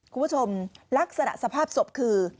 คุณผู้ชมลักษณะสภาพศพคือ